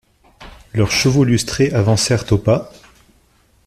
Leurs chevaux lustrés avancèrent au pas.